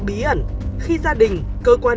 bí ẩn khi gia đình cơ quan